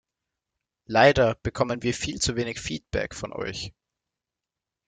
Leider bekommen wir viel zu wenig Feedback von euch.